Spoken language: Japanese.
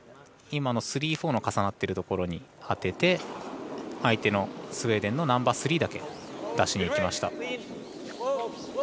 今のスリー、フォーの重なってるところに当てて相手のスウェーデンのナンバースリーだけ出しにいきました。